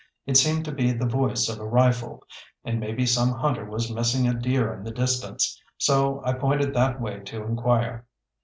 It seemed to be the voice of a rifle, and maybe some hunter was missing a deer in the distance, so I pointed that way to inquire.